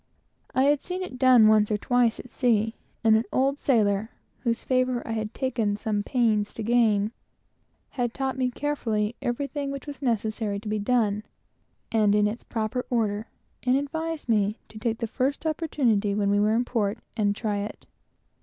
I had seen it done once or twice at sea, and an old sailor, whose favor I had taken some pains to gain, had taught me carefully everything which was necessary to be done, and in its proper order, and advised me to take the first opportunity when we were in port, and try it.